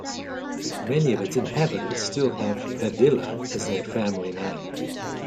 Many of its inhabitants still have "Padilla" as their family name.